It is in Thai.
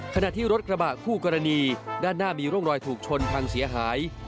ขณะที่รถกระบะคู่กรณีด้านหน้ามีร่องรอยถูกชนพังเสียหาย